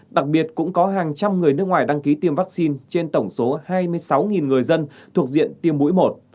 đặc biệt cũng có hàng trăm người nước ngoài đăng ký tiêm vaccine trên tổng số hai mươi sáu người dân thuộc diện tiêm mũi một